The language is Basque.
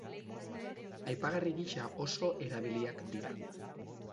Apaingarri gisa oso erabiliak dira.